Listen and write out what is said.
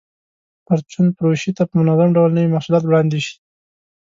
پرچون فروشۍ ته په منظم ډول نوي محصولات وړاندې شي.